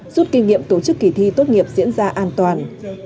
rút kinh nghiệm tổ chức kỳ thi tốt nghiệp diễn ra an toàn